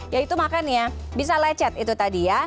ya itu makanya bisa lecet itu tadi